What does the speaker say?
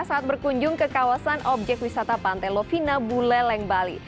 saat berkunjung ke kawasan objek wisata pantai lovina buleleng bali